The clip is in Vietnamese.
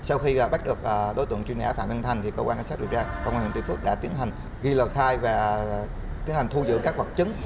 sau khi bắt được đối tượng truy nã phạm văn thành cơ quan cảnh sát điều tra công an huyện tuy phước đã tiến hành ghi lời khai và tiến hành thu giữ các vật chứng